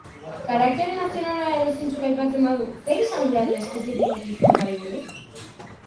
Karaktere nazionala edozeintsuk aipatzen badu, zer esan gura du espezifikoki hizkuntzari buruz?